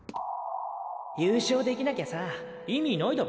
優勝できなきゃさ意味ないだろ？